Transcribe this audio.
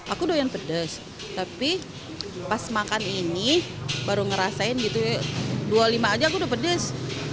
aku doyan pedas tapi pas makan ini baru ngerasain gitu ya dua puluh lima aja aku udah pedes